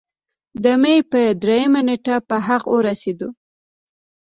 د مۍ پۀ دريمه نېټه پۀ حق اورسېدو